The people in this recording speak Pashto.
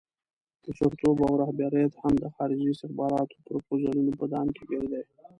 مشرتوب او رهبریت هم د خارجي استخباراتي پروفوزلونو په دام کې ګیر دی.